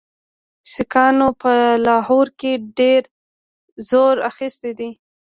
سیکهانو په لاهور کې ډېر زور اخیستی دی.